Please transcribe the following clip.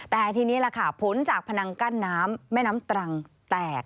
แต่ทีนี้ล่ะค่ะผลจากพนังกั้นน้ำแม่น้ำตรังแตก